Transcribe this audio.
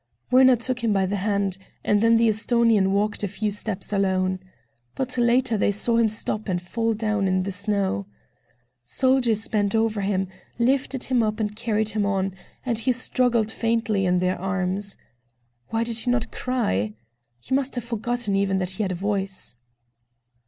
Werner took him by the hand, and then the Esthonian walked a few steps alone. But later they saw him stop and fall down in the snow. Soldiers bent over him, lifted him up and carried him on, and he struggled faintly in their arms. Why did he not cry? He must have forgotten even that he had a voice.